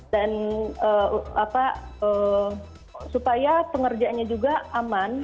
dan supaya pengerjaannya juga aman